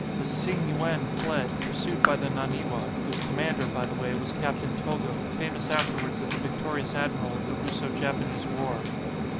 The "Tsing Yuen" fled, pursued by the "Naniwa," whose commander, by the way, was Captain Togo, famous afterwards as the victorious admiral of the Russo Japanese War.